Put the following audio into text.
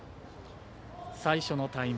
最初のタイム。